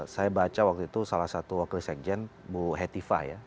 saya baca waktu itu salah satu worklist agent bu hetifa ya